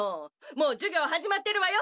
もう授業始まってるわよ！